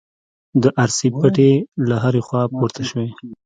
د ارسي پټې له هرې خوا پورته شوې.